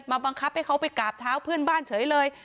บังคับให้เขาไปกราบเท้าเพื่อนบ้านเฉยเลย